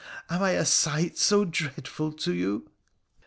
Am I a sight so dreadful to you